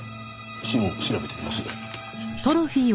指紋調べてみます。